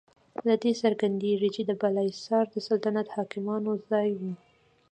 له دې څرګندیږي چې بالاحصار د سلطنتي حاکمانو ځای و.